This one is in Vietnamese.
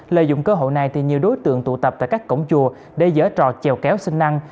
lợi dụng cơ hội này thì nhiều đối tượng tụ tập tại các cổng chùa để giở kéo sinh năng